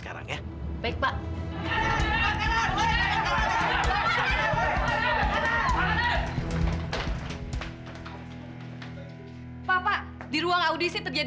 karena sama pakai acaraistik ya